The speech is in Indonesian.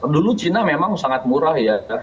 dulu china memang sangat murah